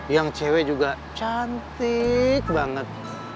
yang cewek juga cantik banget